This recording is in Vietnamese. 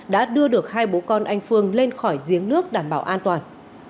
đã đưa được hai bố con anh phương lên khỏi giếng nước đảm bảo an toàn